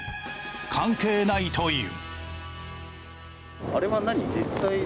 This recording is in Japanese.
関係ないという。